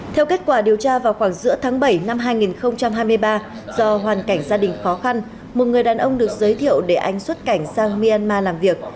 theo kết quả điều tra vào khoảng giữa tháng bảy năm hai nghìn hai mươi ba do hoàn cảnh gia đình khó khăn một người đàn ông được giới thiệu để anh xuất cảnh sang myanmar làm việc